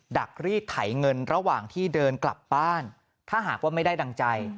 ดักรีดไถเงินระหว่างที่เดินกลับบ้านถ้าหากว่าไม่ได้ดังใจ